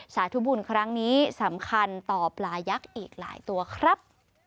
สาธุบุญครั้งนี้สำคัญต่อปลายักษ์อีกหลายตัวครับ